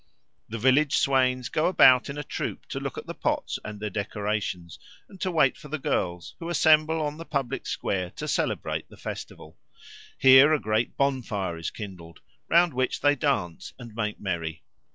The village swains go about in a troop to look at the pots and their decorations and to wait for the girls, who assemble on the public square to celebrate the festival. Here a great bonfire is kindled, round which they dance and make merry.